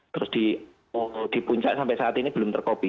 terus di puncak sampai saat ini belum terkopi